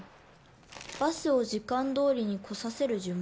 「バスを時間どおりに来させる呪文」。